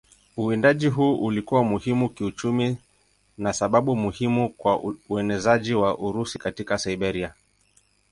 Uwindaji huu ulikuwa muhimu kiuchumi na sababu muhimu kwa uenezaji wa Urusi katika Siberia.